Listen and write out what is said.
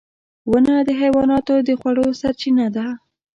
• ونه د حیواناتو د خوړو سرچینه ده.